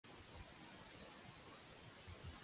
Avui en dia l'estat és d'abandó.